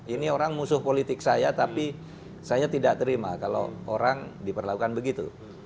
ini orang musuh politik saya tapi saya tidak terima kalau orang diperlakukan begitu